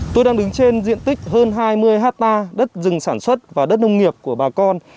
tôi đang đứng trên diện tích hơn hai mươi hectare đất rừng sản xuất và đất nông nghiệp của bà con